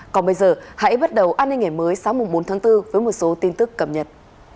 còn bây giờ hãy bắt đầu an ninh ngày mới sáng bốn tháng bốn với một số tin tức cập nhật